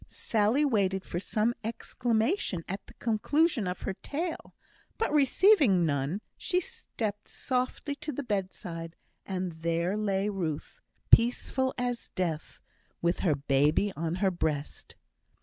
Sally waited for some exclamation at the conclusion of her tale; but receiving none, she stepped softly to the bedside, and there lay Ruth, peaceful as death, with her baby on her breast.